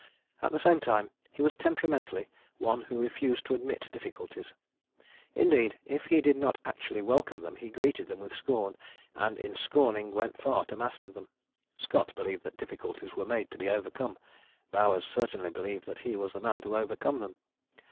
At the same time he was temperamentally one who refused to admit difficulties. Indeed, if he did not actually welcome them he greeted them with scorn, and in scorning went far to master them. Scott believed that difficulties were made to be overcome: Bowers certainly believed that he was the man to overcome them.